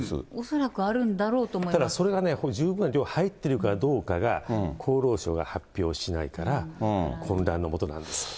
恐らくあるんだろうと思いまただ、それがね、十分な量入っているかどうかが、厚労省が発表しないから、混乱の元なんです。